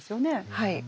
はい。